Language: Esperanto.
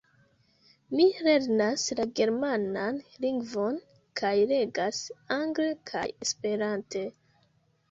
Mi lernas la germanan lingvon kaj legas angle kaj esperante.